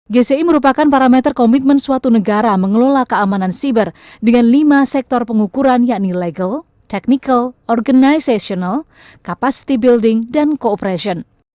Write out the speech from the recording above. gci merupakan parameter komitmen suatu negara mengelola keamanan siber dengan lima sektor pengukuran yakni legal technical organizational capacity building dan cooperation